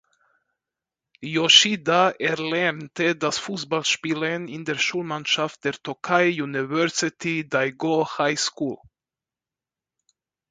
Yoshida erlernte das Fußballspielen in der Schulmannschaft der "Tokai University Daigo High School".